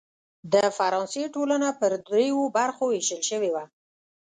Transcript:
د فرانسې ټولنه پر دریوو برخو وېشل شوې وه.